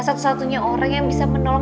satu satunya orang yang bisa menolong